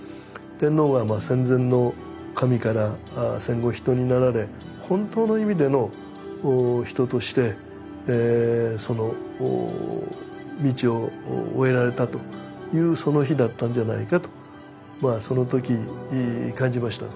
天皇が戦前の神から戦後人になられ本当の意味での人としてその道を終えられたというその日だったんじゃないかとまあそのとき感じました。